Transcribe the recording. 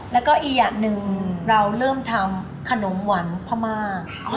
แล้วก็อีกอย่างหนึ่งเราเริ่มทำขนมหวานพม่า